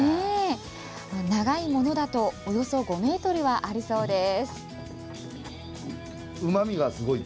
長いものだとおよそ５ｍはあるそうです。